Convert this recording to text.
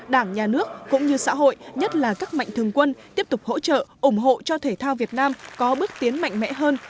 đảng nhà nước cũng như xã hội nhất là các mạnh thường quân tiếp tục hỗ trợ ủng hộ cho thể thao việt nam có bước tiến mạnh mẽ hơn